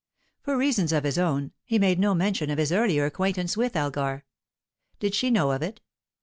For reasons of his own, he made no mention of his earlier acquaintance with Elgar. Did she know of it?